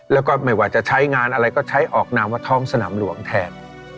แล้วก็ไม่ว่าจะใช้งานอะไรก็ใช้ออกนามว่าท้องสนามหลวงแทน